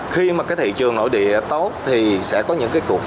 khi mà cái thị trường nội địa tốt thì sẽ có những cái cuộc